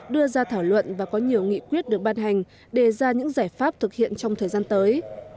đưa ra thảo luận và có nhiều nghị quyết được ban hành đề ra những giải pháp thực hiện trong thời gian tới